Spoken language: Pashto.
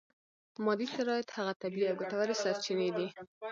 مادي شرایط هغه طبیعي او ګټورې سرچینې دي.